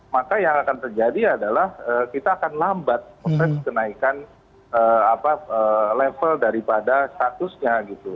maka yang akan terjadi adalah kita akan lambat proses kenaikan level daripada statusnya gitu